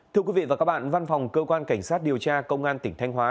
thưa quý vị và các bạn văn phòng cơ quan cảnh sát điều tra công an tỉnh thanh hóa